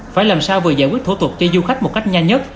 phải làm sao vừa giải quyết thủ tục cho du khách một cách nhanh nhất